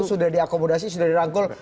sudah diakomodasi sudah dirangkul